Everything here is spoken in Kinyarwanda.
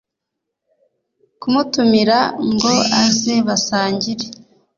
kumutumira ngo aze basangire